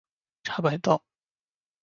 茶百道